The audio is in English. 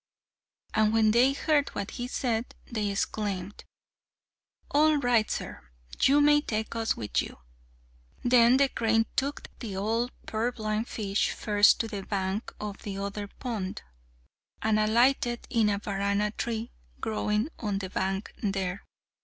And when they heard what he said, they exclaimed, "All right, sir! You may take us with you." Then the crane took the old purblind fish first to the bank of the other pond, and alighted in a Varana tree growing on the bank there.